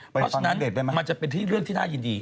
เพราะฉะนั้นมันจะเป็นเรื่องที่น่ายินดี